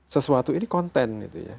sesuatu ini konten